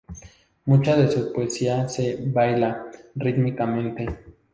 Mucha de su poesía se ´baila´ rítmicamente".